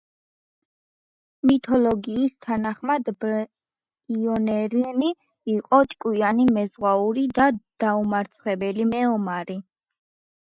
მითოლოგიის თანახმად ბიორნი იყო ჭკვიანი მეზღვაური და დაუმარცხებელი მეომარი.